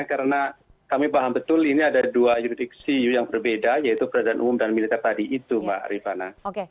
karena kami paham betul ini ada dua juridik cu yang berbeda yaitu peradilan umum dan militer tadi itu mbak rifana